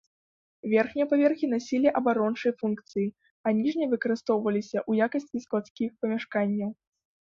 Верхнія паверхі насілі абарончыя функцыі а ніжнія выкарыстоўваліся ў якасці складскіх памяшканняў.